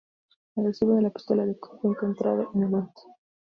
El recibo de la pistola de Cook fue encontrado en el auto.